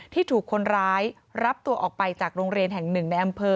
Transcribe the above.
ที่ถูกคนร้ายรับตัวออกไปจากโรงเรียนแห่งหนึ่งในอำเภอ